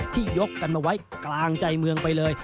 ยกกันมาไว้กลางใจเมืองไปเลย